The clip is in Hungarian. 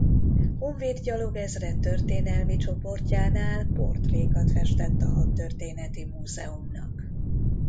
Honvéd Gyalogezred történelmi csoportjánál portrékat festett a Hadtörténeti Múzeumnak.